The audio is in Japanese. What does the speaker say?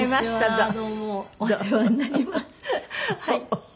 はい。